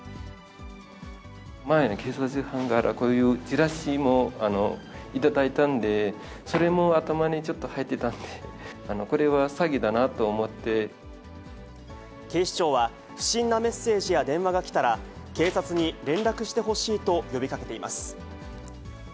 前に警察官からこういうチラシも頂いたんで、それも頭にちょっと入っていたので、これは詐欺警視庁は、不審なメッセージや電話が来たら、警察に連絡してほしいと呼びかけています。